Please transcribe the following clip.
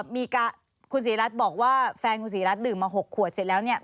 มีคุณศรีรัฐบอกว่าแฟนคุณศรีรัฐดื่มมา๖ขวดเสร็จแล้วเนี่ย